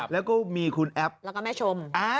แล้วก็มีคุณแอปแล้วก็แม่ชม